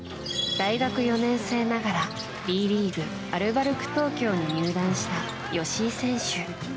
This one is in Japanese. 大学４年生ながらＢリーグ、アルバルク東京に入団した吉井選手。